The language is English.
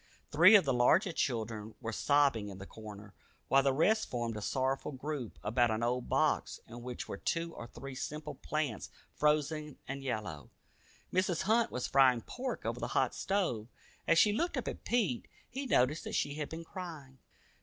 Three of the larger children were sobbing in the corner, while the rest formed a sorrowful group about an old box in which were two or three simple plants frozen and yellow. Mrs. Hunt was frying pork over the hot stove. As she looked up at Pete, he noticed that she had been crying.